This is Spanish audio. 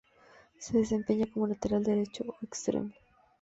Se desempeña como lateral derecho o extremo.